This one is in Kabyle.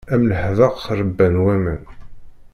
Am leḥbeq ṛebban waman.